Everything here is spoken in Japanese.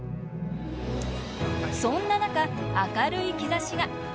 そんな中、明るい兆しが。